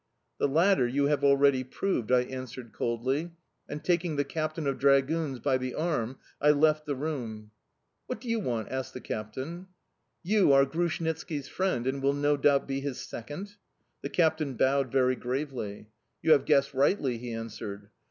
"The latter you have already proved," I answered coldly; and, taking the captain of dragoons by the arm, I left the room. "What do you want?" asked the captain. "You are Grushnitski's friend and will no doubt be his second?" The captain bowed very gravely. "You have guessed rightly," he answered.